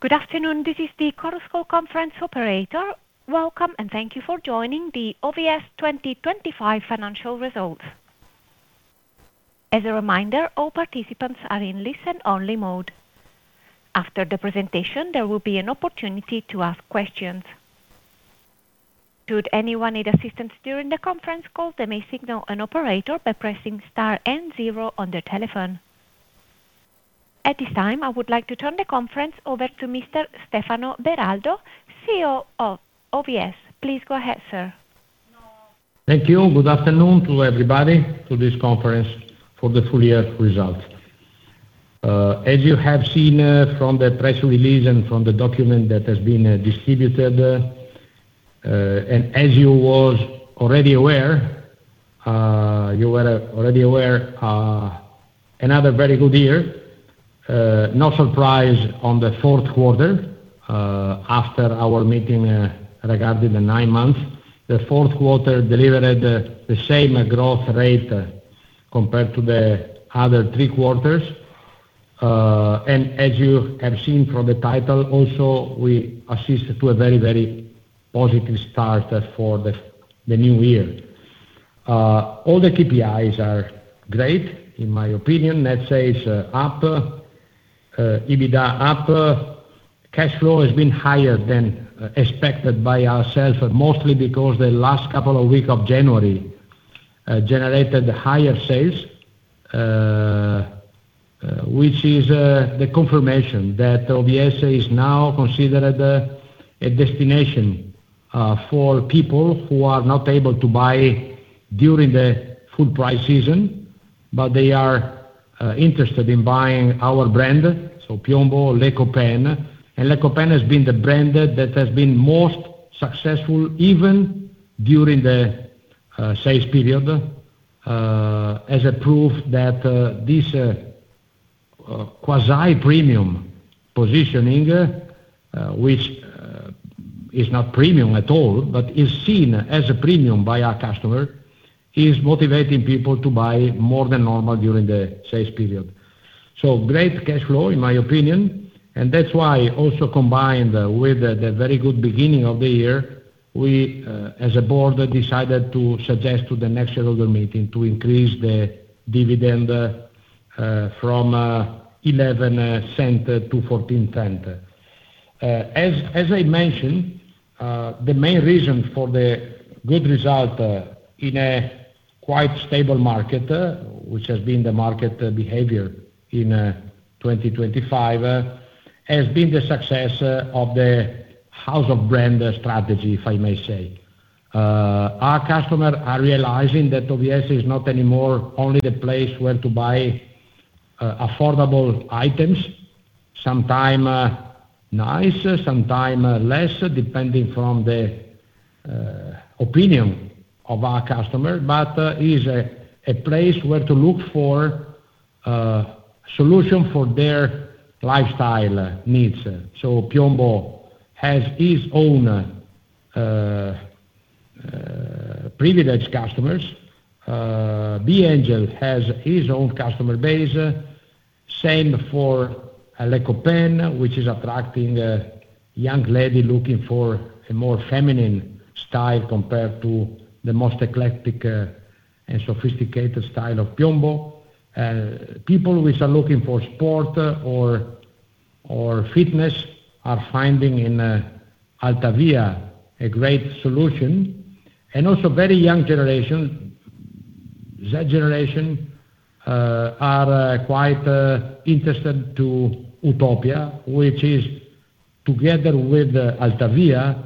Good afternoon. This is the Chorus Call conference operator. Welcome, and thank you for joining the OVS 2025 financial results. As a reminder, all participants are in listen-only mode. After the presentation, there will be an opportunity to ask questions. Should anyone need assistance during the conference call, they may signal an operator by pressing star and zero on their telephone. At this time, I would like to turn the conference over to Mr. Stefano Beraldo, CEO of OVS. Please go ahead, sir. Thank you. Good afternoon to everybody to this conference for the full-year results. As you have seen from the press release and from the document that has been distributed, and as you were already aware, another very good year. No surprise on the fourth quarter after our meeting regarding the nine months. The fourth quarter delivered the same growth rate compared to the other three quarters. As you have seen from the title also, we witnessed a very, very positive start for the new year. All the KPIs are great in my opinion. Net sales are up, EBITDA up. Cash flow has been higher than expected by ourselves, mostly because the last couple of weeks of January generated higher sales, which is the confirmation that OVS is now considered a destination for people who are not able to buy during the full price season, but they are interested in buying our brand, so PIOMBO, Les Copains. Les Copains has been the brand that has been most successful even during the sales period, as a proof that this quasi-premium positioning, which is not premium at all, but is seen as a premium by our customer, is motivating people to buy more than normal during the sales period. Great cash flow, in my opinion, and that's why also combined with the very good beginning of the year, we, as a board, decided to suggest to the next shareholder meeting to increase the dividend from 0.11 to 0.14. As I mentioned, the main reason for the good result in a quite stable market, which has been the market behavior in 2025, has been the success of the house of brands strategy, if I may say. Our customers are realizing that OVS is not anymore only the place where to buy affordable items, sometimes nice, sometimes less, depending on the opinion of our customers, but is a place where to look for solutions for their lifestyle needs. PIOMBO has its own privileged customers. B.Angel has his own customer base. Same for Les Copains, which is attracting young lady looking for a more feminine style compared to the most eclectic and sophisticated style of PIOMBO. People which are looking for sport or fitness are finding in Altavia a great solution. Also very young generation, Z Generation are quite interested to Utopja, which is together with Altavia,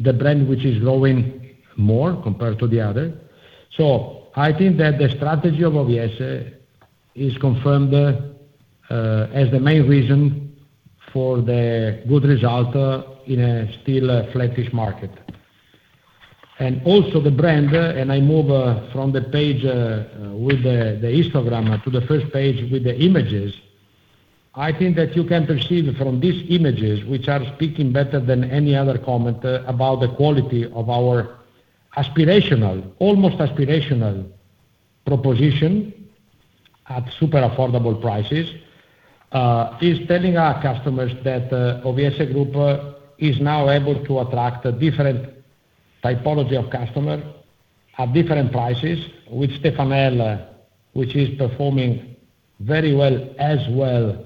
the brand which is growing more compared to the other. I think that the strategy of OVS is confirmed as the main reason for the good result in a still flattish market. Also the brand, and I move from the page with the histogram to the first page with the images. I think that you can perceive from these images, which are speaking better than any other comment about the quality of our aspirational, almost aspirational proposition at super affordable prices. This is telling our customers that OVS Group is now able to attract a different typology of customer at different prices with Stefanel, which is performing very well as well,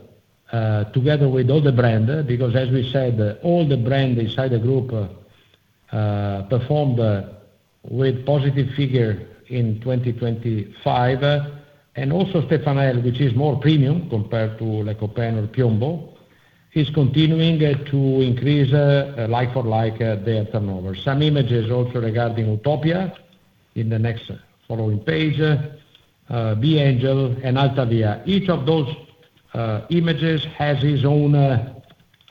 together with other brand. Because as we said, all the brand inside the group performed with positive figure in 2025. Also Stefanel, which is more premium compared to Les Copains or PIOMBO, is continuing to increase like-for-like their turnover. Some images also regarding Utopja in the next following page. B.Angel and Altavia. Each of those images has its own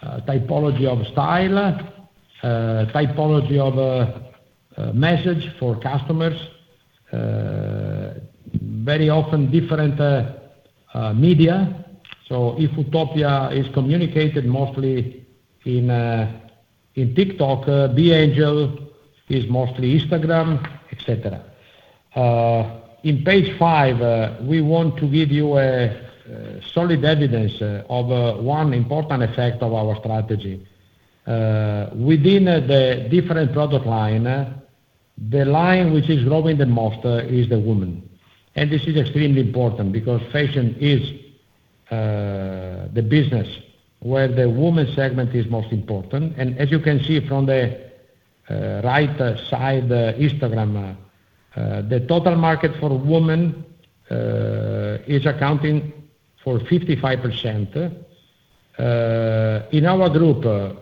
typology of style, typology of message for customers, very often different media. If Utopja is communicated mostly in TikTok, B.Angel is mostly Instagram, et cetera. In page five, we want to give you solid evidence of one important effect of our strategy. Within the different product line, the line which is growing the most is the woman. This is extremely important because fashion is the business where the woman segment is most important. As you can see from the right side histogram, the total market for woman is accounting for 55%. In our group,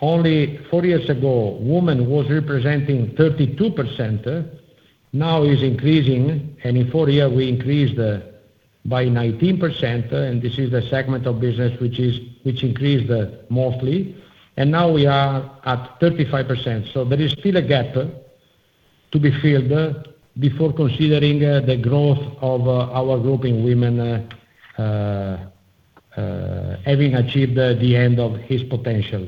only four years ago, woman was representing 32%. Now is increasing, and in four year we increased by 19%. This is the segment of business which increased mostly. Now we are at 35%. There is still a gap to be filled before considering the growth of our group in women, having achieved the end of its potential.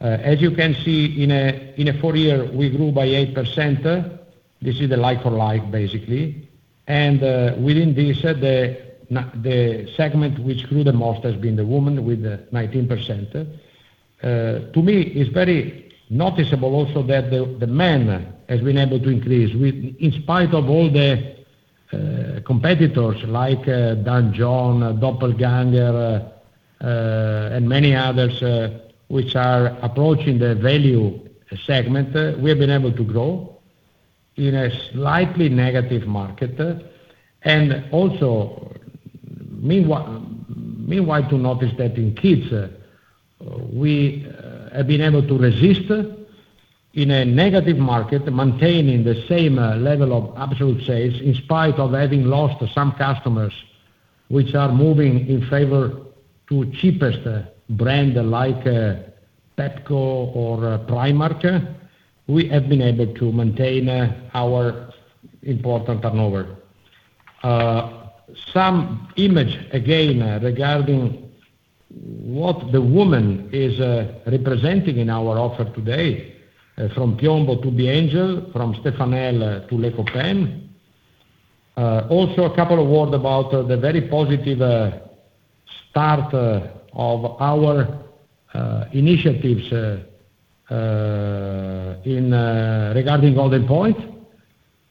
As you can see, in a four-year, we grew by 8%. This is the like-for-like, basically. Within this, the segment which grew the most has been the women with 19%. To me, it's very noticeable also that the men has been able to increase. In spite of all the competitors like Dondup, Doppelgänger, and many others which are approaching the value segment, we have been able to grow in a slightly negative market. Meanwhile to notice that in kids, we have been able to resist in a negative market, maintaining the same level of absolute sales, in spite of having lost some customers which are moving in favor to cheapest brand like Pepco or Primark. We have been able to maintain our important turnover. Some images, again, regarding what the woman is representing in our offer today, from PIOMBO to B.Angel, from Stefanel to Les Copains. Also a couple of words about the very positive start of our initiatives regarding Goldenpoint.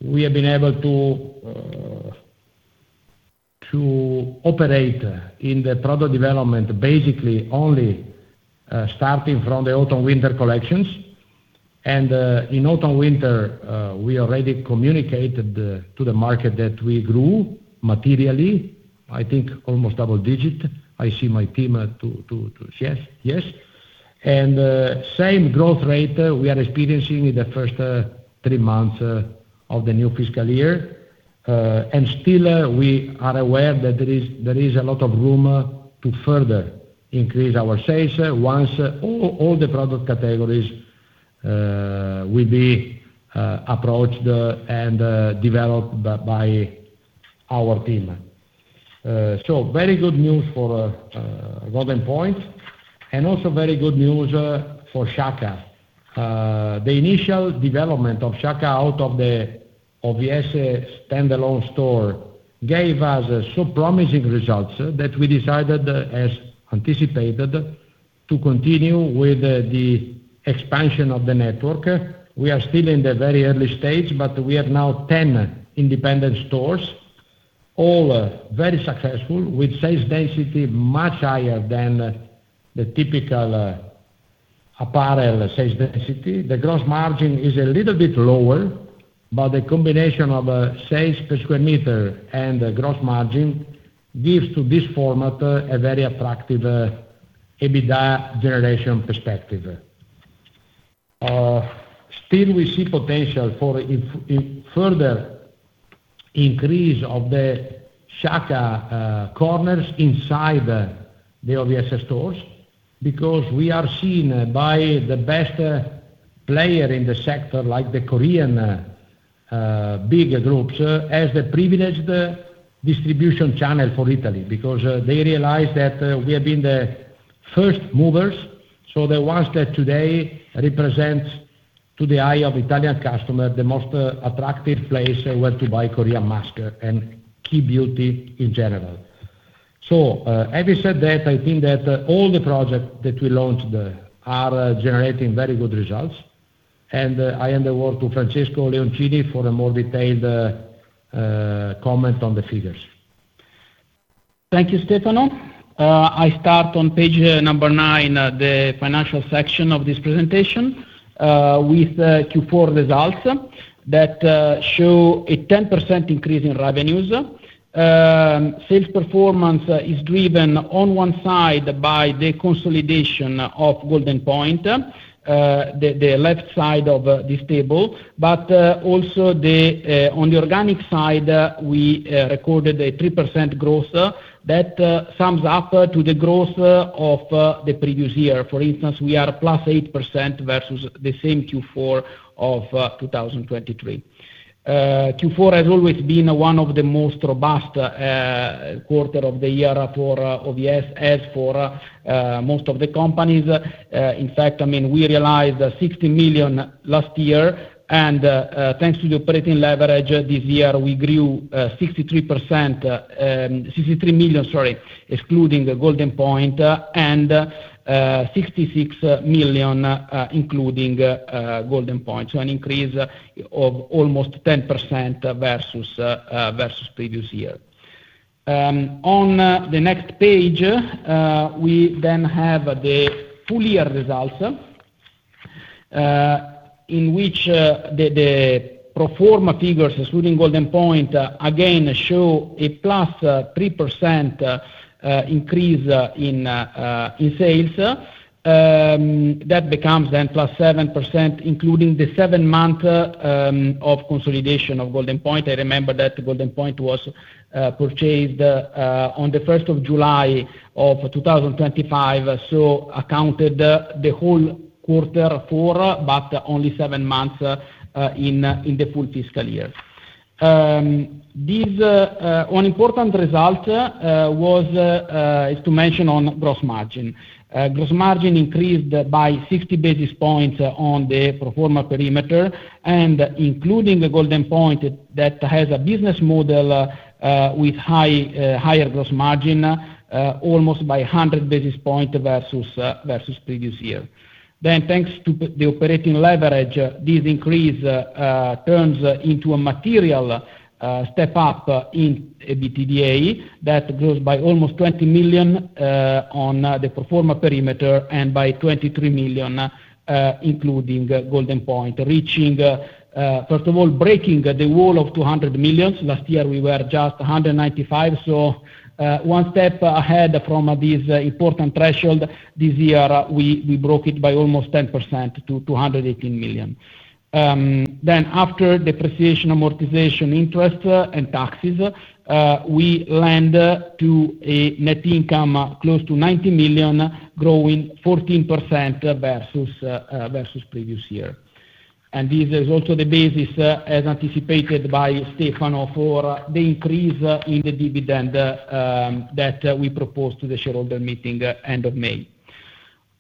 We have been able to operate in the product development, basically only starting from the autumn/winter collections. In autumn/winter, we already communicated to the market that we grew materially, I think almost double digit. Same growth rate we are experiencing in the first three months of the new fiscal year. Still we are aware that there is a lot of room to further increase our sales once all the product categories will be approached and developed by our team. Very good news for Goldenpoint and also very good news for Shaka. The initial development of Shaka out of the OVS standalone store gave us so promising results that we decided, as anticipated, to continue with the expansion of the network. We are still in the very early stage, but we have now 10 independent stores, all very successful, with sales density much higher than the typical apparel sales density. The gross margin is a little bit lower, but the combination of sales per square meter and gross margin gives to this format a very attractive EBITDA generation perspective. Still we see potential for further increase of the Shaka corners inside the OVS stores, because we are seen by the best player in the sector, like the Korean big groups, as the privileged distribution channel for Italy, because they realize that we have been the first movers. The ones that today represent to the eye of Italian customer, the most attractive place where to buy Korean mask and K-beauty in general. Having said that, I think that all the project that we launched are generating very good results. I hand over to Francesco Leoncini for a more detailed comment on the figures. Thank you, Stefano. I start on page nine, the financial section of this presentation, with Q4 results that show a 10% increase in revenues. Sales performance is driven on one side by the consolidation of Goldenpoint, the left side of this table. Also on the organic side, we recorded a 3% growth that sums up to the growth of the previous year. For instance, we are +8% versus the same Q4 of 2023. Q4 has always been one of the most robust quarter of the year for OVS as for most of the companies. In fact, we realized 60 million last year. Thanks to the operating leverage this year, we grew 63 million, excluding Goldenpoint, and 66 million, including Goldenpoint. An increase of almost 10% versus previous year. On the next page, we then have the full year results. In which the pro forma figures excluding Goldenpoint, again, show a +3% increase in sales. That becomes then +7%, including the seven month of consolidation of Goldenpoint. I remember that Goldenpoint was purchased on the 1st of July of 2025, so accounted the whole quarter four, but only seven months in the full fiscal year. One important result is to mention on gross margin. Gross margin increased by 60 basis points on the pro forma perimeter and including the Goldenpoint that has a business model with higher gross margin, almost by 100 basis points versus previous year. Thanks to the operating leverage, this increase turns into a material step up in EBITDA that grows by almost 20 million on the pro forma perimeter and by 23 million including Goldenpoint, first of all, breaking the wall of 200 million. Last year we were just 195 million, so one step ahead from this important threshold. This year, we broke it by almost 10% to 218 million. After depreciation, amortization, interest, and taxes, it leads to a net income close to 90 million, growing 14% versus previous year. This is also the basis as anticipated by Stefano for the increase in the dividend that we propose to the shareholder meeting end of May.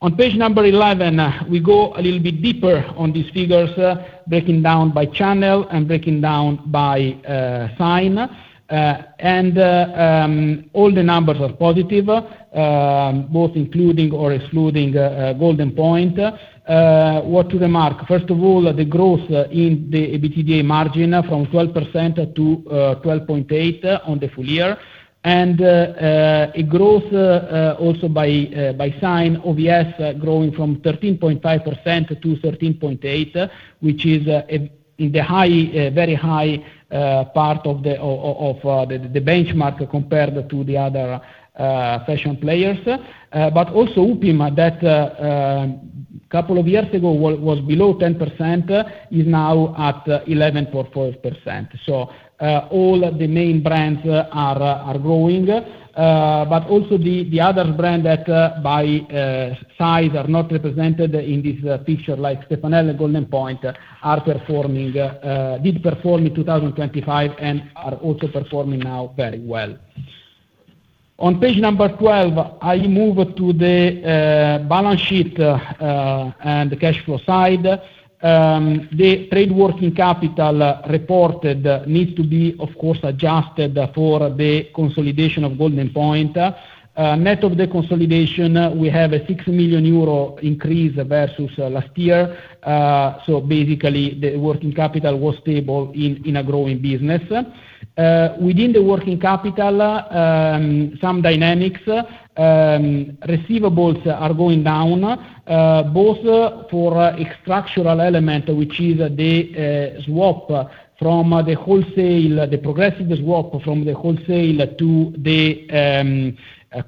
On page 11, we go a little bit deeper on these figures, breaking down by channel and breaking down by sign. All the numbers are positive, both including or excluding Goldenpoint. What to remark, first of all, the growth in the EBITDA margin from 12% to 12.8% on the full year. A growth also by segment, OVS growing from 13.5% to 13.8%, which is in the very high part of the benchmark compared to the other fashion players. Also UPIM, that couple of years ago was below 10%, is now at 11.4%. All the main brands are growing. Also the other brand that by size are not represented in this picture, like Stefanel and Goldenpoint did perform in 2025 and are also performing now very well. On page number 12, I move to the balance sheet and the cash flow side. The trade working capital reported needs to be, of course, adjusted for the consolidation of Goldenpoint. Net of the consolidation, we have a 6 million euro increase versus last year. Basically, the working capital was stable in a growing business. Within the working capital, some dynamics, receivables are going down, both for a structural element, which is the progressive swap from the wholesale to the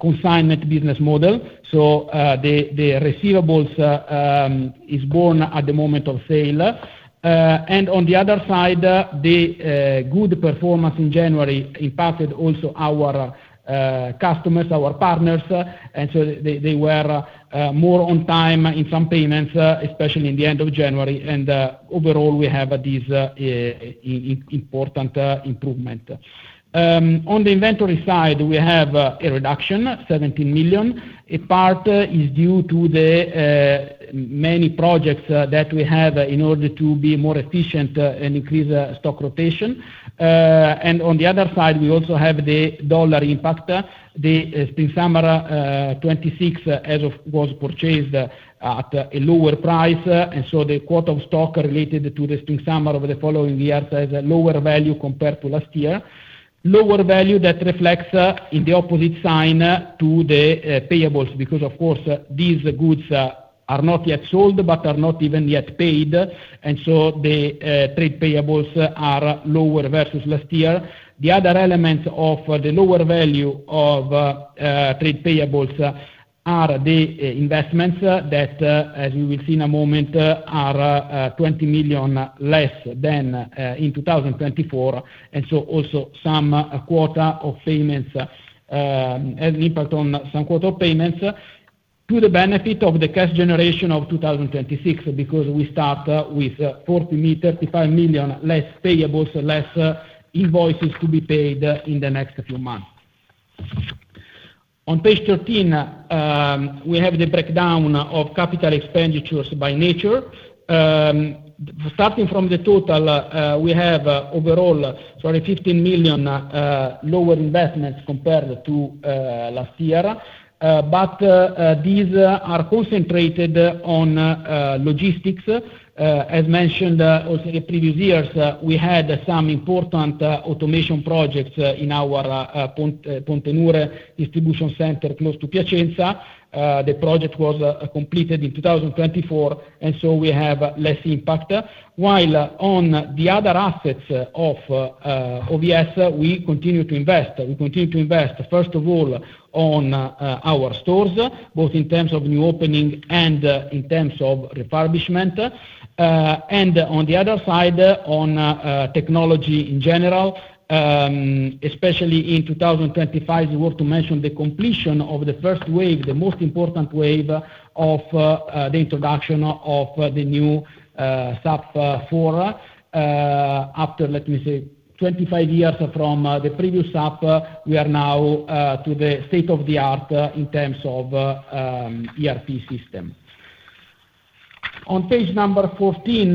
consignment business model. The receivables is born at the moment of sale. On the other side, the good performance in January impacted also our customers, our partners. They were more on time in some payments, especially in the end of January. Overall, we have this important improvement. On the inventory side, we have a reduction, 17 million. A part is due to the many projects that we have in order to be more efficient and increase stock rotation. On the other side, we also have the dollar impact. The spring/summer 2026 as it was purchased at a lower price, and so the quota of stock related to the spring/summer of the following years has a lower value compared to last year. Lower value that reflects in the opposite sign to the payables, because of course, these goods are not yet sold but are not even yet paid, and so the trade payables are lower versus last year. The other element of the lower value of trade payables are the investments that, as you will see in a moment, are 20 million less than in 2024. Also has an impact on some quota payments to the benefit of the cash generation of 2026, because we start with 30 million-35 million less payables, less invoices to be paid in the next few months. On page 13, we have the breakdown of capital expenditures by nature. Starting from the total, we have overall 15 million lower investments compared to last year. These are concentrated on logistics. As mentioned also in previous years, we had some important automation projects in our Pontenure distribution center close to Piacenza. The project was completed in 2024, and so we have less impact. While on the other assets of OVS, we continue to invest. We continue to invest, first of all, on our stores, both in terms of new opening and in terms of refurbishment. On the other side, on technology in general, especially in 2025, we want to mention the completion of the first wave, the most important wave of the introduction of the new SAP 4. After, let me say, 25 years from the previous SAP, we are now to the state of the art in terms of ERP system. On page 14,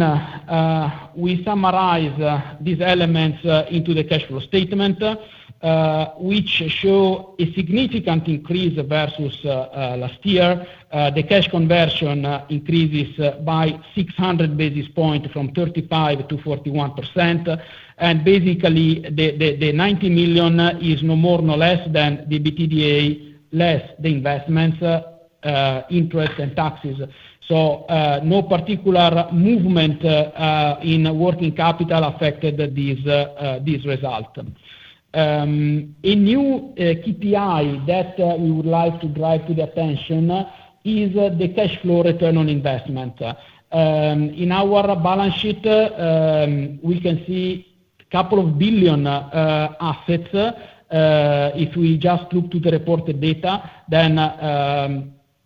we summarize these elements into the cash flow statement, which shows a significant increase versus last year. The cash conversion increases by 600 basis points from 35% to 41%. Basically, the 90 million is no more, no less than the EBITDA, less the investments, interest, and taxes. No particular movement in working capital affected this result. A new KPI that we would like to drive to the attention is the cash flow return on investment. In our balance sheet, we can see a couple of billion assets. If we just look to the reported data, then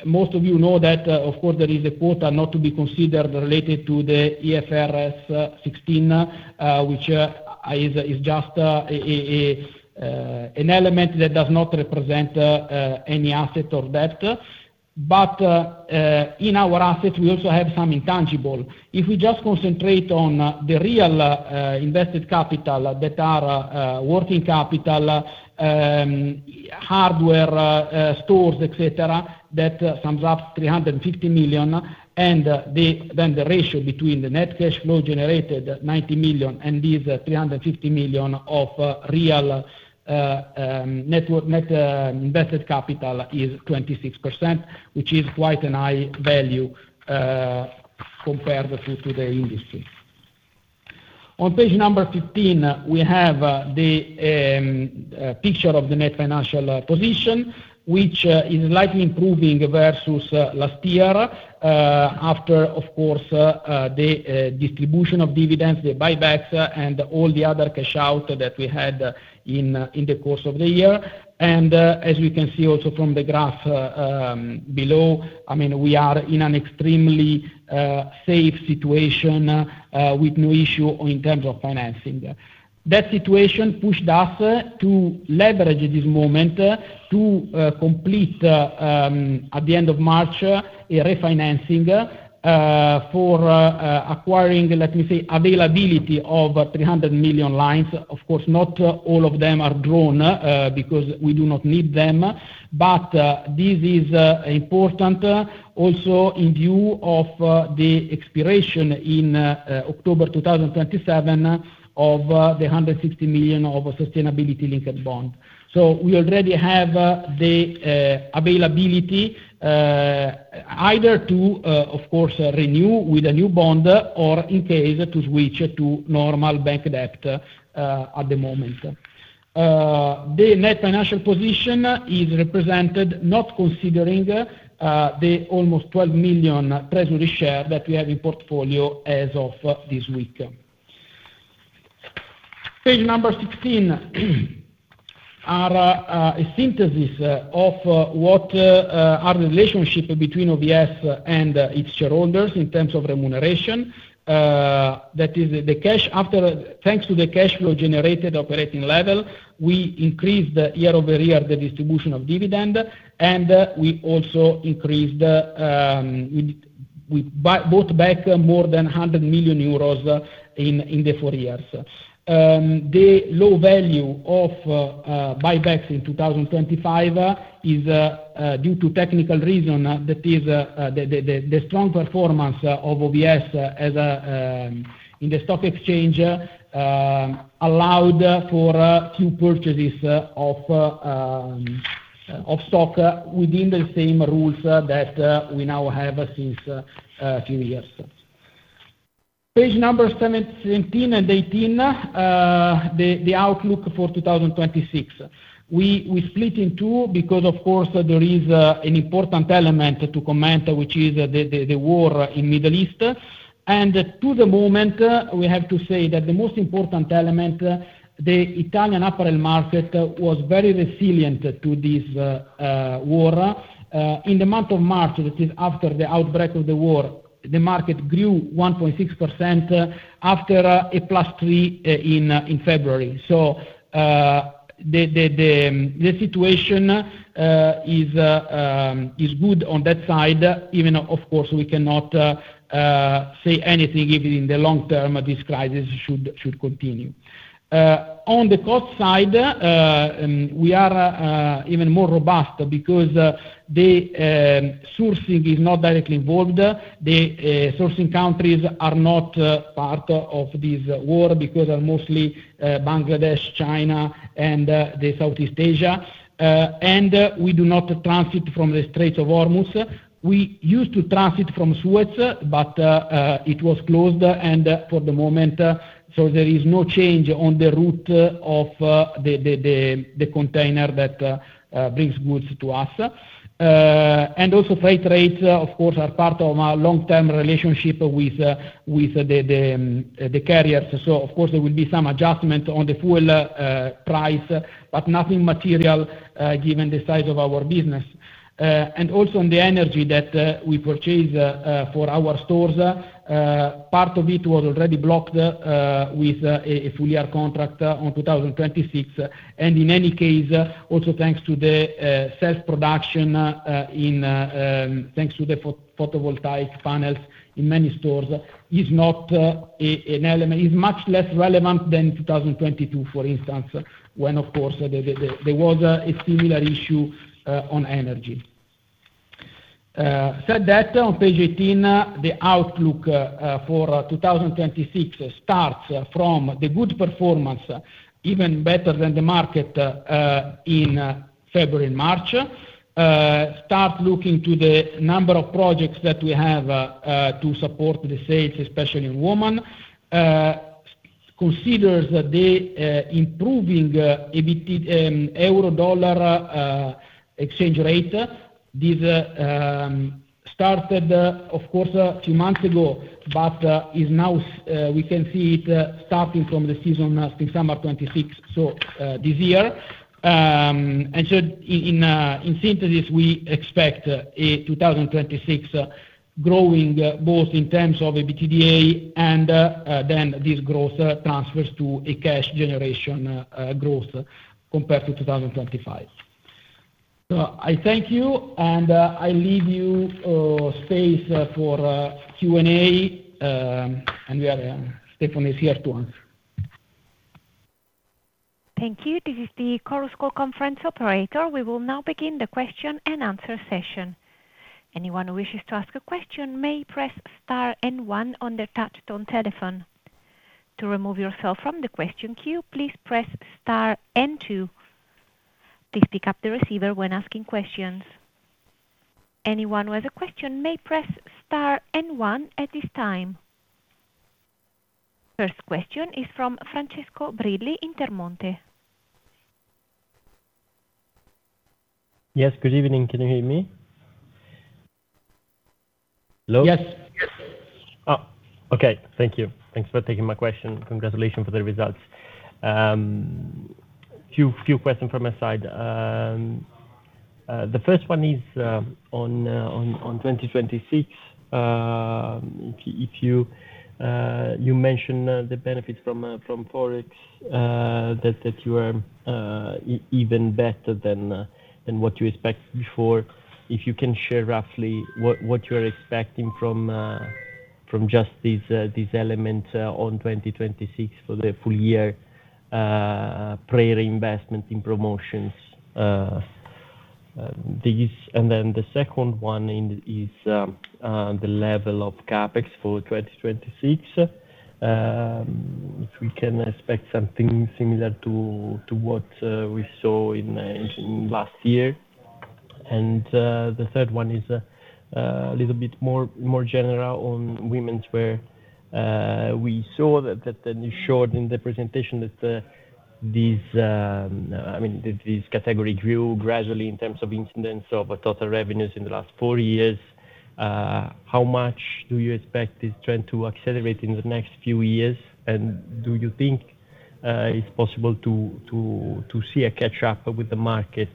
most of you know that, of course, there is a quota not to be considered related to the IFRS 16, which is just an element that does not represent any asset or debt. In our assets, we also have some intangible. If we just concentrate on the real invested capital that are working capital, hardware stores, et cetera, that sums up 350 million. Then the ratio between the net cash flow generated, 90 million, and these 350 million of real net invested capital is 26%, which is quite a high value compared to the industry. On page number 15, we have the picture of the net financial position, which is slightly improving versus last year, after, of course, the distribution of dividends, the buybacks, and all the other cash out that we had in the course of the year. As we can see also from the graph below, we are in an extremely safe situation with no issue in terms of financing. That situation pushed us to leverage this moment to complete, at the end of March, a refinancing for acquiring, let me say, availability of 300 million lines. Of course, not all of them are drawn, because we do not need them. This is important also in view of the expiration in October 2027 of the 160 million sustainability-linked bond. We already have the availability either to, of course, renew with a new bond or in case to switch to normal bank debt at the moment. The net financial position is represented not considering the almost 12 million treasury shares that we have in portfolio as of this week. Page 16 is a synthesis of what are the relationships between OVS and its shareholders in terms of remuneration. That is, thanks to the cash flow generated operating level, we increased year-over-year the distribution of dividend, and we bought back more than 100 million euros in the four years. The low value of buybacks in 2025 is due to technical reason. That is, the strong performance of OVS in the stock exchange allowed for two purchases of stock within the same rules that we now have since a few years. Page numbers 17 and 18, the outlook for 2026. We split in two because, of course, there is an important element to comment, which is the war in the Middle East. At the moment, we have to say that the most important element, the Italian apparel market was very resilient to this war. In the month of March, that is after the outbreak of the war, the market grew 1.6% after a +3% in February. The situation is good on that side. Even, of course, we cannot say anything if in the long term, this crisis should continue. On the cost side, we are even more robust because the sourcing is not directly involved. The sourcing countries are not part of this war because they're mostly Bangladesh, China, and Southeast Asia. We do not transit from the Strait of Hormuz. We used to transit from Suez, but it was closed and for the moment, so there is no change on the route of the container that brings goods to us. Freight rates, of course, are part of a long-term relationship with the carriers, so of course, there will be some adjustment on the fuel price, but nothing material given the size of our business. On the energy that we purchase for our stores, part of it was already blocked with a full year contract on 2026. In any case, also thanks to the self-production, thanks to the photovoltaic panels in many stores, is much less relevant than 2022, for instance, when, of course, there was a similar issue on energy. Said that, on page 18, the outlook for 2026 starts from the good performance, even better than the market in February, March, starting looking to the number of projects that we have to support the sales, especially in women, considering the improving euro dollar exchange rate. This started, of course, months ago, but we can see it starting from the season summer 2026, so this year. In synthesis, we expect 2026 growing both in terms of EBITDA and then this growth transfers to a cash generation growth compared to 2025. I thank you, and I leave you space for Q&A, and Stefano is here to answer. Thank you. This is the Chorus Call conference operator. We will now begin the question and answer session. Anyone who wishes to ask a question may press star and one on their touchtone telephone. To remove yourself from the question queue, please press star and two. Please pick up the receiver when asking questions. Anyone who has a question may press star and one at this time. First question is from Francesco Brilli, Intermonte. Yes. Good evening. Can you hear me? Hello? Yes. Oh, okay. Thank you. Thanks for taking my question. Congratulations for the results. Few questions from my side. The first one is on 2026. You mentioned the benefits from Forex, that you are even better than what you expected before. If you can share roughly what you're expecting from just these elements on 2026 for the full year pre-reinvestment in promotions. Then the second one is the level of CapEx for 2026, if we can expect something similar to what we saw last year. The third one is a little bit more general on womenswear. We saw that you showed in the presentation that these category grew gradually in terms of incidence of total revenues in the last four years. How much do you expect this trend to accelerate in the next few years? Do you think it's possible to see a catch up with the market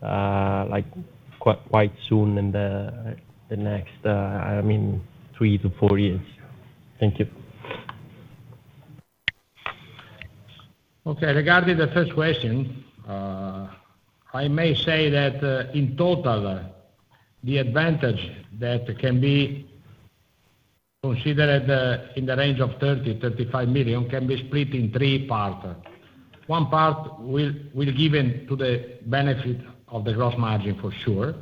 quite soon in the next 3-4 years? Thank you. Okay. Regarding the first question, I may say that in total, the advantage that can be considered in the range of 30 million-35 million can be split in three parts. One part will be given to the benefit of the gross margin, for sure.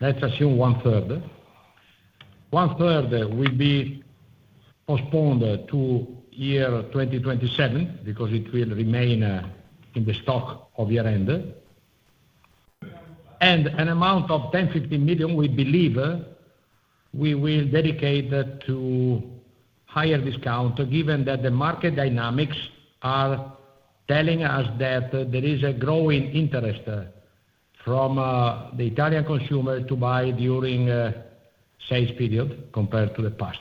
Let's assume 1/3. 1/3 will be postponed to year 2027 because it will remain in the stock of year-end. An amount of 10 million-15 million, we believe we will dedicate to higher discount, given that the market dynamics are telling us that there is a growing interest from the Italian consumer to buy during sales period compared to the past.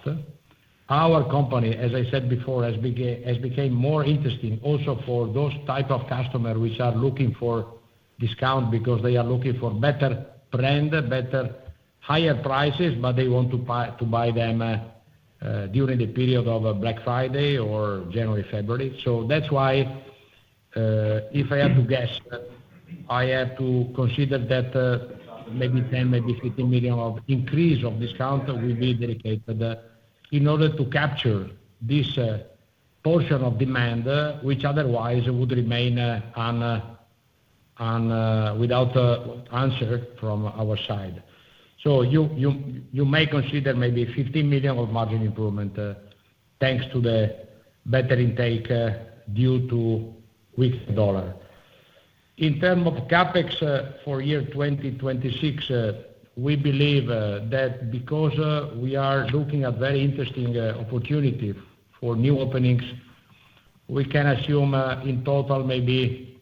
Our company, as I said before, has became more interesting also for those type of customer which are looking for discount because they are looking for better brand, better higher prices, but they want to buy them at During the period of Black Friday or January, February. That's why, if I had to guess, I have to consider that maybe 10 million, maybe 15 million of increase of discount will be dedicated in order to capture this portion of demand, which otherwise would remain without answer from our side. You may consider maybe 15 million of margin improvement, thanks to the better intake due to weak dollar. In terms of CapEx for year 2026, we believe that because we are looking at very interesting opportunity for new openings, we can assume in total maybe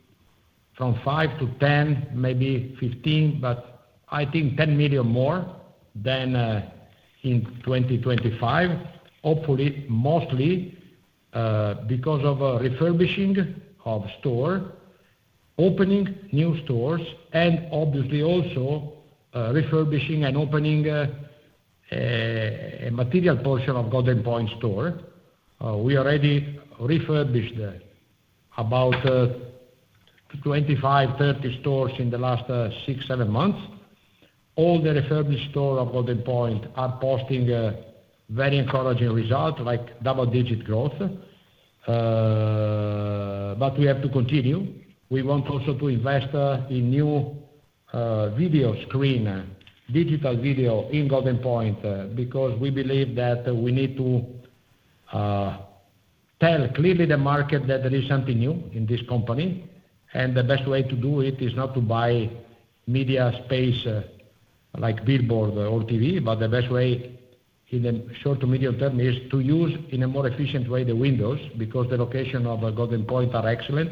from 5 million to 10 million, maybe 15 million, but I think 10 million more than in 2025, hopefully, mostly, because of refurbishing of store, opening new stores, and obviously also refurbishing and opening a material portion of Goldenpoint store. We already refurbished about 25 stores-30 stores in the last six, seven months. All the refurbished stores of Goldenpoint are posting very encouraging results, like double-digit growth. We have to continue. We want also to invest in new video screens, digital videos in Goldenpoint, because we believe that we need to tell the market clearly that there is something new in this company, and the best way to do it is not to buy media space like billboards or TV, but the best way in the short to medium term is to use, in a more efficient way, the windows, because the locations of Goldenpoint are excellent.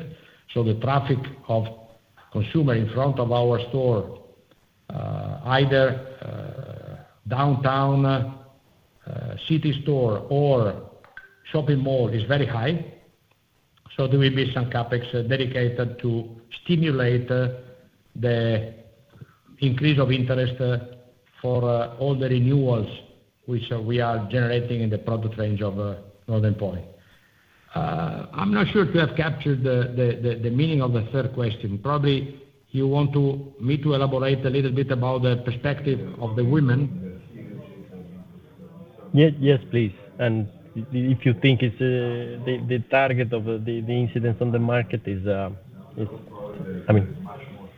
The traffic of consumers in front of our stores, either downtown city stores or shopping malls, is very high. There will be some CapEx dedicated to stimulate the increase of interest for all the renewals which we are generating in the product range of Goldenpoint. I'm not sure to have captured the meaning of the third question. Probably, you want me to elaborate a little bit about the perspective of the women? Yes, please. If you think the target of the incidence on the market is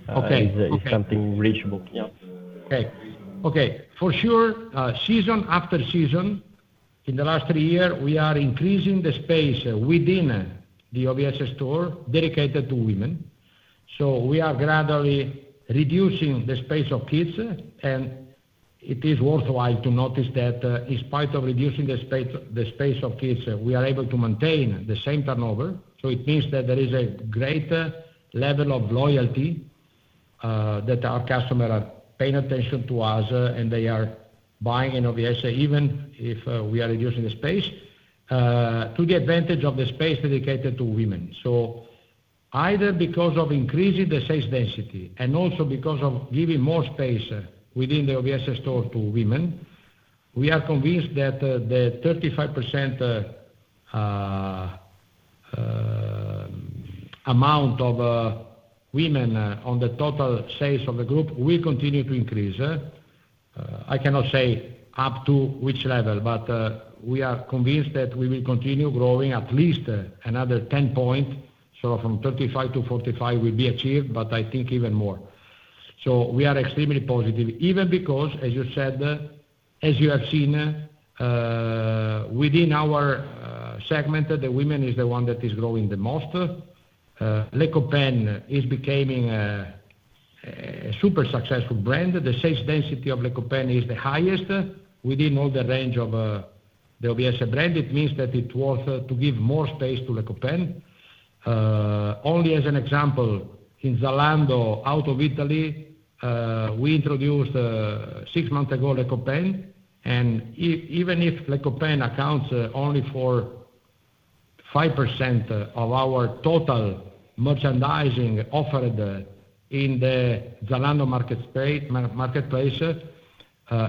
Okay. is something reachable. Yeah. Okay. For sure, season after season in the last three year, we are increasing the space within the OVS store dedicated to women. We are gradually reducing the space of kids, and it is worthwhile to notice that in spite of reducing the space of kids, we are able to maintain the same turnover. It means that there is a greater level of loyalty that our customer are paying attention to us, and they are buying in OVS, even if we are reducing the space, to the advantage of the space dedicated to women. Either because of increasing the sales density and also because of giving more space within the OVS store to women, we are convinced that the 35% amount of women on the total sales of the group will continue to increase. I cannot say up to which level, but we are convinced that we will continue growing at least another 10 points. From 35% to 45% will be achieved, but I think even more. We are extremely positive even because, as you said, as you have seen, within our segment, the women is the one that is growing the most. Les Copains is becoming a super successful brand. The sales density of Les Copains is the highest within all the range of the OVS brand. It means that it was to give more space to Les Copains. Only as an example, in Zalando, out of Italy, we introduced six months ago, Les Copains, and even if Les Copains accounts only for 5% of our total merchandising offered in the Zalando marketplace,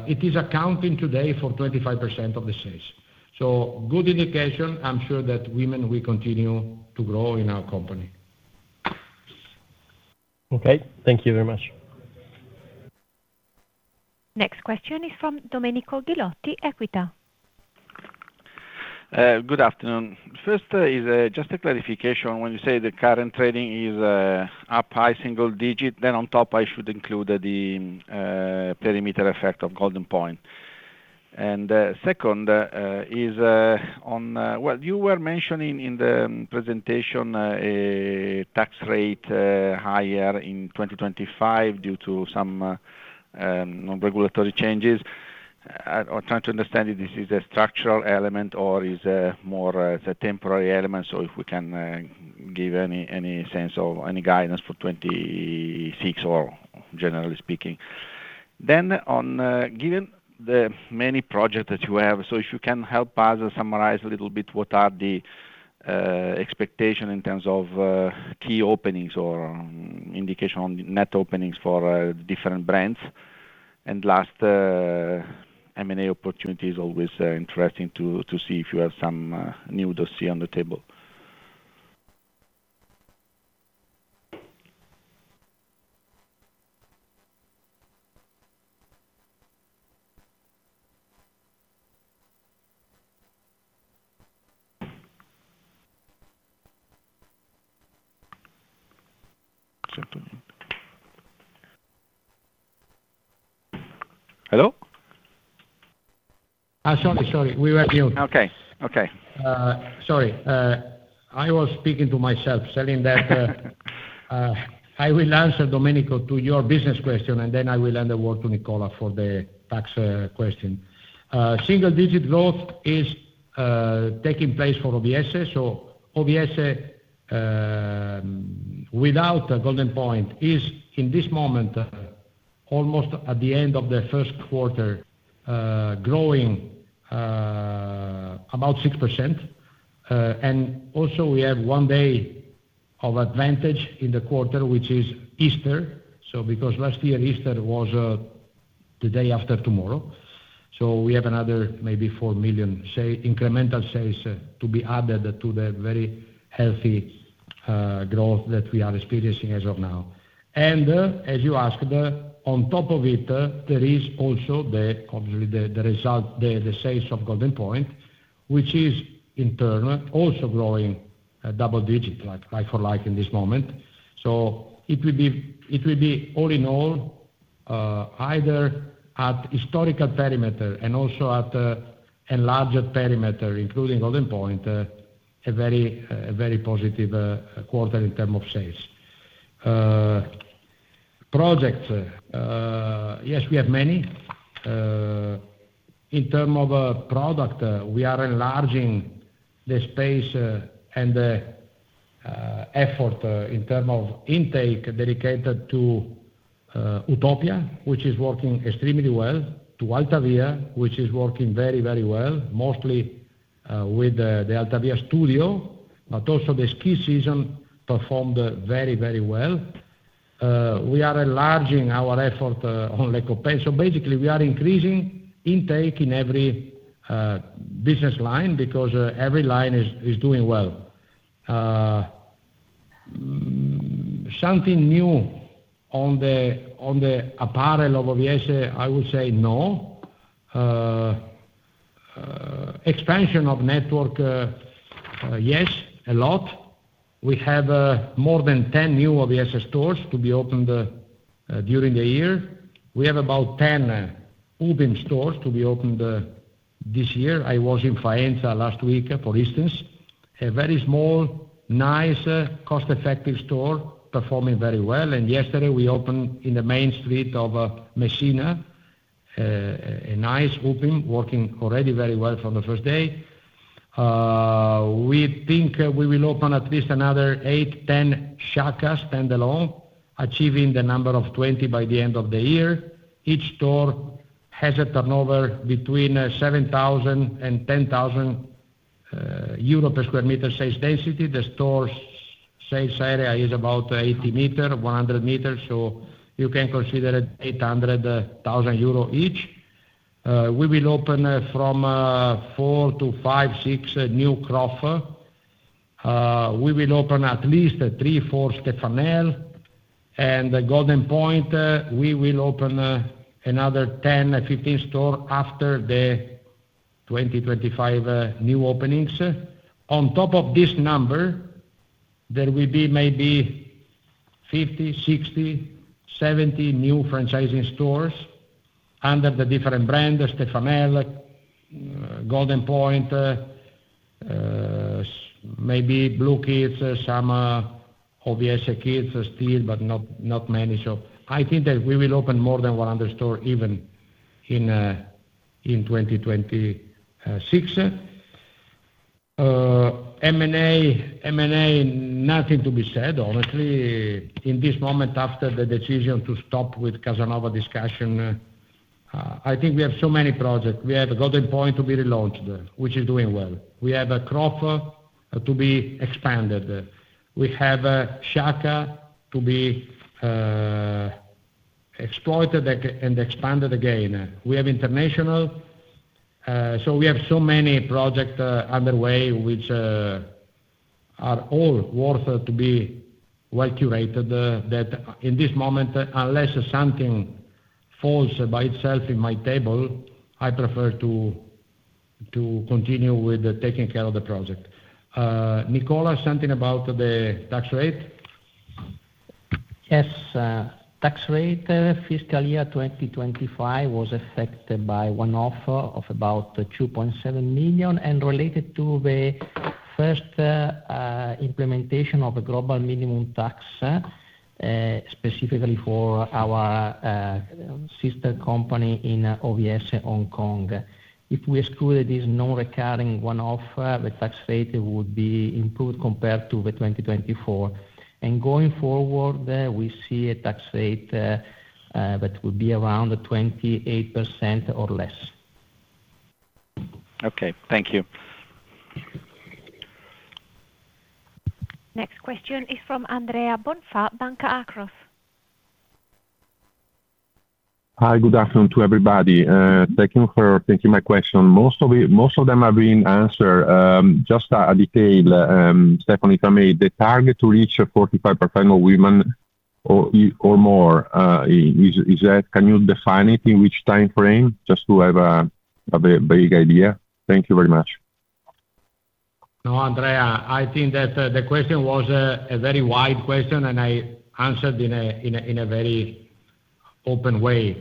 it is accounting today for 25% of the sales. Good indication, I'm sure that women's will continue to grow in our company. Okay. Thank you very much. Next question is from Domenico Ghilotti, Equita. Good afternoon. First is just a clarification. When you say the current trading is up high single-digit, then on top I should include the perimeter effect of Goldenpoint. Second is on, well, you were mentioning in the presentation a tax rate higher in 2025 due to some regulatory changes. I'm trying to understand if this is a structural element or is more as a temporary element. If we can give any sense of any guidance for 2026 or generally speaking. Given the many projects that you have, if you can help us summarize a little bit what are the expectations in terms of key openings or indication on net openings for different brands. Last, M&A opportunities always interesting to see if you have some new dossier on the table. Hello? Sorry. We were mute. Okay. Sorry. I was speaking to myself, saying that I will answer, Domenico, to your business question, and then I will hand the word to Nicola for the tax question. Single-digit growth is taking place for OVS. OVS, without Goldenpoint, is in this moment, almost at the end of the first quarter, growing about 6%. We have one day of advantage in the quarter, which is Easter. Because last year, Easter was the day after tomorrow, we have another maybe 4 million, say, incremental sales to be added to the very healthy growth that we are experiencing as of now. As you asked, on top of it, there is also the, obviously the result, the sales of Goldenpoint, which is in turn also growing double-digit like-for-like in this moment. It will be all in all, either at historical perimeter and also at enlarged perimeter, including Goldenpoint, a very positive quarter in terms of sales. Projects. Yes, we have many. In terms of product, we are enlarging the space and effort in terms of intake dedicated to Utopja, which is working extremely well, to Altavia, which is working very, very well, mostly with the Altavia Studio, but also the ski season performed very, very well. We are enlarging our effort on Les Copains. Basically we are increasing intake in every business line because every line is doing well. Something new on the apparel of OVS, I would say no. Expansion of network, yes, a lot. We have more than 10 new OVS stores to be opened during the year. We have about 10 UPIM stores to be opened this year. I was in Faenza last week, for instance, a very small, nice, cost-effective store performing very well. Yesterday we opened in the main street of Messina, a nice UPIM, working already very well from the first day. We think we will open at least another eight, 10 Shaka standalone, achieving the number of 20 stores by the end of the year. Each store has a turnover between 7,000-10,000 euro per sq m sales density. The store sales area is about 80 sq m-100 sq m, so you can consider it 800,000 euros each. We will open from four to five, six new CROFF. We will open at least 3-4 Stefanel. Goldenpoint, we will open another 10-15 stores after the 2025 new openings. On top of this number, there will be maybe 50, 60, 70 new franchising stores under the different brand of Stefanel, Goldenpoint, maybe Blukids, some OVS Kids still, but not many. I think that we will open more than 100 stores even in 2026. M&A, nothing to be said, honestly, in this moment after the decision to stop with Kasanova discussion. I think we have so many projects. We have Goldenpoint to be relaunched, which is doing well. We have CROFF to be expanded. We have Shaka to be exploited and expanded again. We have international. We have so many projects underway, which are all worth to be well curated, that in this moment, unless something falls by itself in my table, I prefer to continue with taking care of the project. Nicola, something about the tax rate? Yes. Tax rate fiscal year 2025 was affected by one-off of about 2.7 million, and related to the first implementation of a global minimum tax, specifically for our sister company in OVS, Hong Kong. If we exclude this non-recurring one-off, the tax rate would be improved compared to the 2024. Going forward, we see a tax rate that will be around 28% or less. Okay, thank you. Next question is from Andrea Bonfà, Banca Akros. Hi, good afternoon to everybody. Thank you for taking my question. Most of them are being answered. Just a detail, Stefano, if I may. The target to reach a 45% of women or more, can you define it, in which time frame, just to have a vague idea? Thank you very much. No, Andrea, I think that the question was a very wide question, and I answered in a very open way.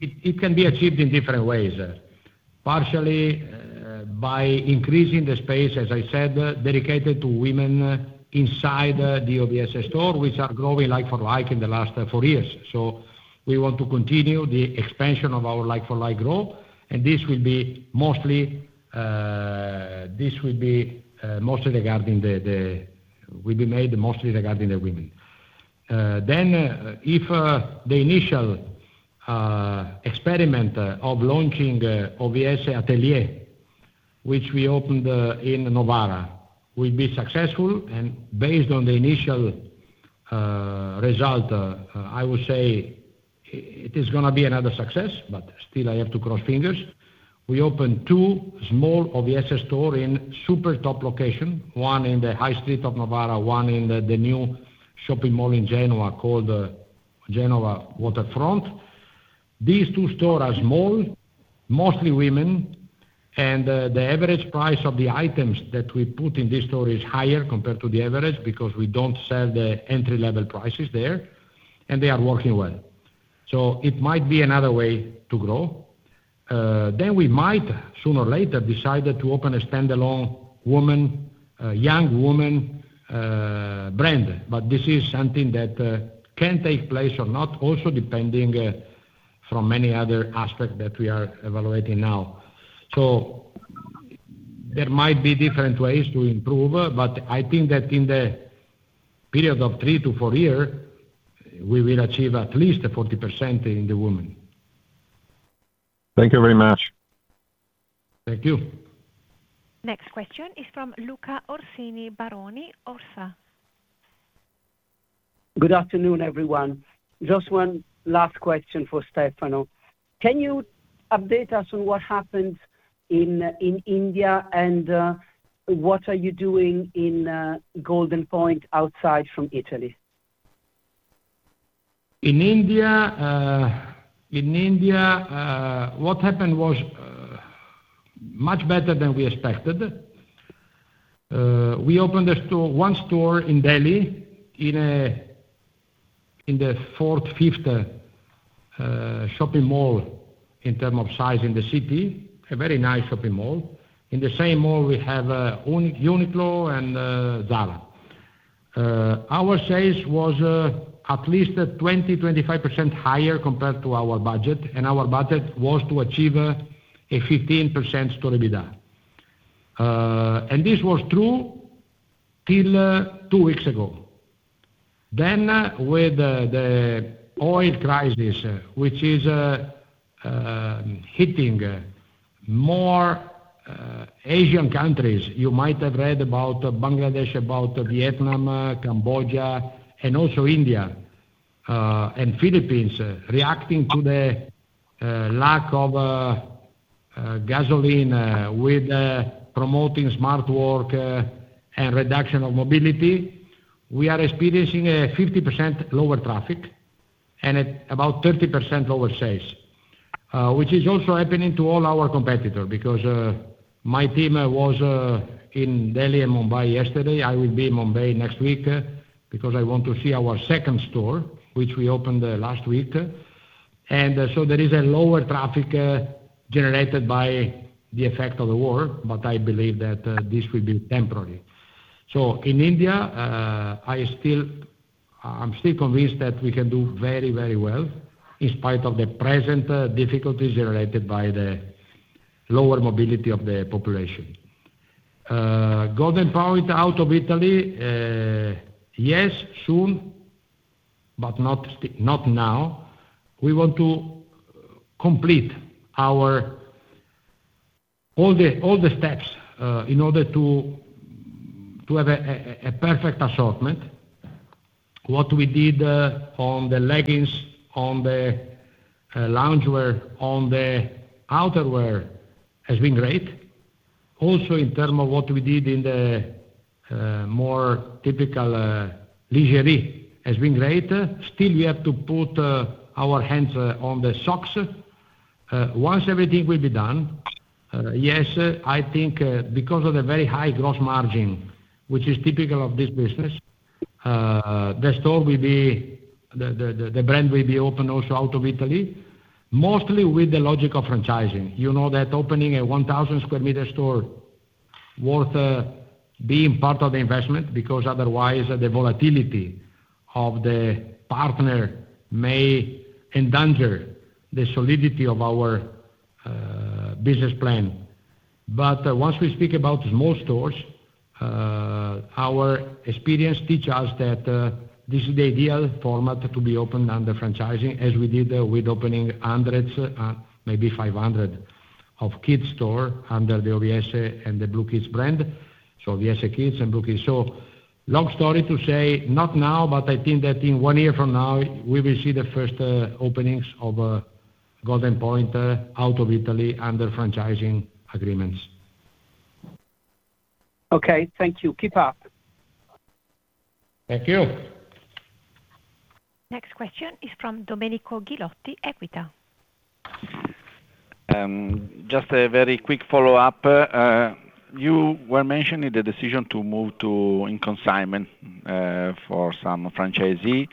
It can be achieved in different ways. Partially by increasing the space, as I said, dedicated to women inside the OVS store, which are growing like-for-like in the last four years. We want to continue the expansion of our like-for-like growth, and this will be made mostly regarding the women. If the initial experiment of launching OVS Atelier, which we opened in Novara, will be successful, and based on the initial result, I would say it is going to be another success, but still I have to cross fingers. We opened two small OVS store in super top location, one in the high street of Novara, one in the new shopping mall in Genoa, called Genoa Waterfront. These two stores are small, mostly women, and the average price of the items that we put in these stores is higher compared to the average, because we don't sell the entry-level prices there, and they are working well. It might be another way to grow. We might sooner or later decide to open a standalone young women's brand. This is something that can take place or not, also depending on many other aspects that we are evaluating now. There might be different ways to improve, but I think that in the 3-4-year period, we will achieve at least 40% in the women. Thank you very much. Thank you. Next question is from Luca Orsini Baroni, ORSA. Good afternoon, everyone. Just one last question for Stefano. Can you update us on what happened in India, and what are you doing in Goldenpoint outside from Italy? In India, what happened was much better than we expected. We opened one store in Delhi, in the fourth, fifth shopping mall in terms of size in the city, a very nice shopping mall. In the same mall, we have Uniqlo and Zara. Our sales was at least 20%-25% higher compared to our budget, and our budget was to achieve a 15% store EBITDA. This was true till two weeks ago. With the oil crisis, which is hitting more Asian countries, you might have read about Bangladesh, about Vietnam, Cambodia, and also India, and Philippines, reacting to the lack of gasoline with promoting smart work and reduction of mobility. We are experiencing a 50% lower traffic and about 30% lower sales, which is also happening to all our competitor, because my team was in Delhi and Mumbai yesterday. I will be in Mumbai next week because I want to see our second store, which we opened last week. There is a lower traffic generated by the effect of the war, but I believe that this will be temporary. In India, I'm still convinced that we can do very well despite of the present difficulties generated by the lower mobility of the population. Goldenpoint out of Italy, yes, soon, but not now. We want to complete all the steps in order to have a perfect assortment. What we did on the leggings, on the loungewear, on the outerwear has been great. Also, in terms of what we did in the more typical lingerie has been great. Still, we have to put our hands on the socks. Once everything will be done, yes, I think because of the very high gross margin, which is typical of this business, the brand will be open also out of Italy, mostly with the logic of franchising. You know that opening a 1,000 sq m store worth being part of the investment, because otherwise, the volatility of the partner may endanger the solidity of our business plan. Once we speak about small stores, our experience teach us that this is the ideal format to be opened under franchising, as we did with opening hundreds, maybe 500 of kids store under the OVS and the Blukids brand. OVS Kids and Blukids. Long story to say, not now, but I think that in one year from now, we will see the first openings of a Goldenpoint out of Italy under franchising agreements. Okay. Thank you. Keep up. Thank you. Next question is from Domenico Ghilotti, Equita. Just a very quick follow-up. You were mentioning the decision to move to in consignment for some franchisee.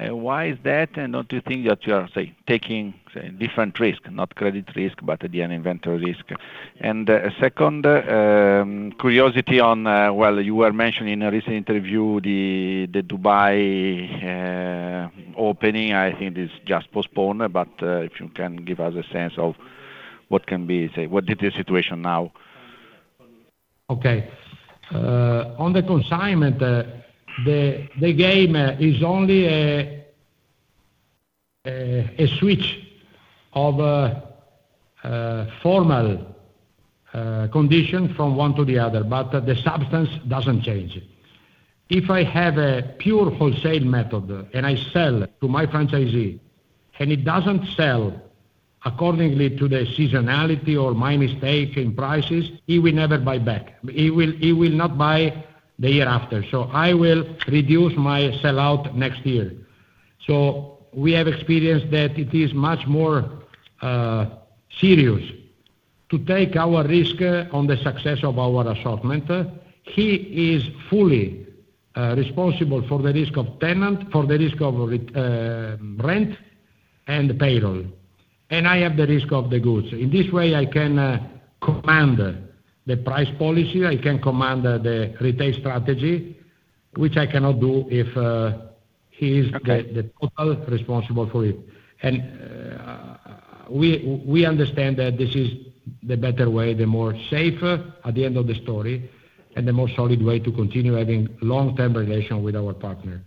Why is that? Don't you think that you are taking different risk, not credit risk, but the inventory risk? Second, curiosity on, well, you were mentioning in a recent interview, the Dubai opening, I think it is just postponed, but if you can give us a sense of what is the situation now. Okay. On the consignment, the game is only a switch of formal condition from one to the other, but the substance doesn't change. If I have a pure wholesale method and I sell to my franchisee, and it doesn't sell accordingly to the seasonality or my mistake in prices, he will never buy back. He will not buy the year after. I will reduce my sell-out next year. We have experienced that it is much more serious to take our risk on the success of our assortment. He is fully responsible for the risk of tenant, for the risk of rent and payroll. I have the risk of the goods. In this way, I can command the price policy, I can command the retail strategy, which I cannot do if he is the total responsible for it. We understand that this is the better way, the more safer at the end of the story, and the more solid way to continue having long-term relation with our partner.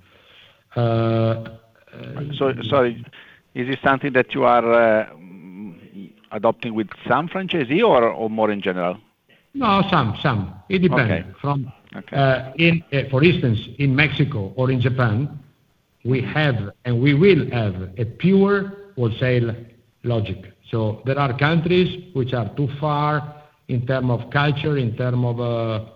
Sorry. Is this something that you are adopting with some franchisee or more in general? No, some. It depends. Okay. For instance, in Mexico or in Japan, we have and we will have a pure wholesale logic. There are countries which are too far in term of culture, in term of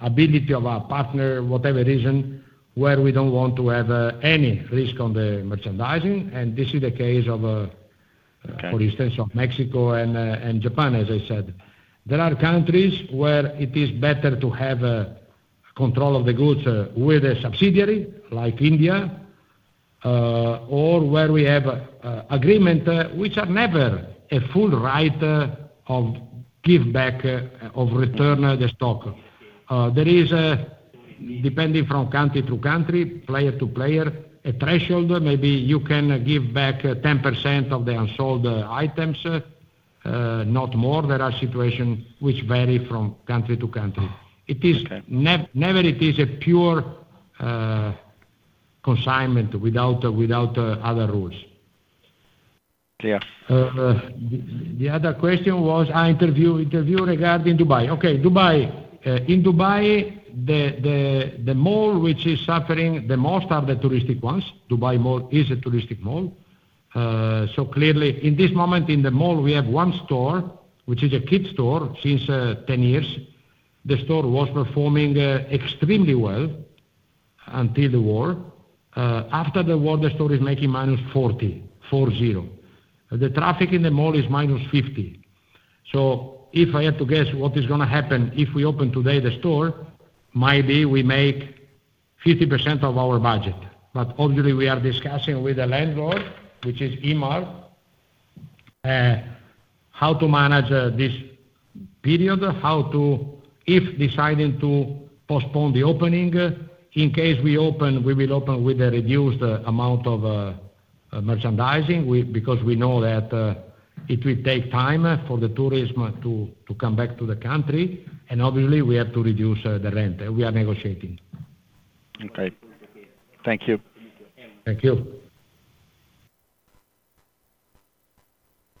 ability of our partner, whatever reason, where we don't want to have any risk on the merchandising. This is the case of- Okay... for instance, of Mexico and Japan, as I said. There are countries where it is better to have a control of the goods with a subsidiary, like India, or where we have agreement, which are never a full right of give back, of return the stock. There is, depending from country to country, player to player, a threshold, maybe you can give back 10% of the unsold items, not more. There are situation which vary from country to country. Okay. Never it is a pure consignment without other rules. Clear. The other question was interview regarding Dubai. Okay, Dubai. In Dubai, the mall which is suffering the most are the touristic ones. Dubai Mall is a touristic mall. Clearly, in this moment in the mall, we have one store, which is a kids store, since 10 years. The store was performing extremely well until the war. After the war, the store is making -40%. The traffic in the mall is -50%. If I have to guess what is going to happen, if we open today the store, maybe we make 50% of our budget. But obviously we are discussing with the landlord, which is Emaar, how to manage this period. If deciding to postpone the opening, in case we open, we will open with a reduced amount of merchandising, because we know that it will take time for the tourism to come back to the country, and obviously we have to reduce the rent. We are negotiating. Okay. Thank you. Thank you.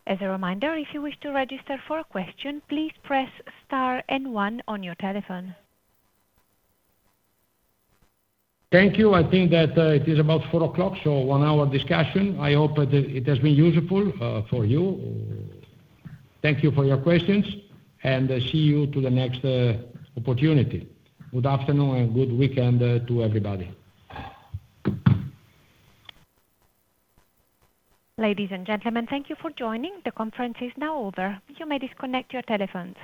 As a reminder, if you wish to register for a question, please press star and one on your telephone. Thank you. I think that it is about 4 o'clock, so one-hour discussion. I hope it has been useful for you. Thank you for your questions, and see you to the next opportunity. Good afternoon and good weekend to everybody. Ladies and gentlemen, thank you for joining. The conference is now over. You may disconnect your telephones.